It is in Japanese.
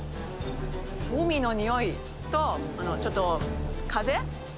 海の匂いと、ちょっと風？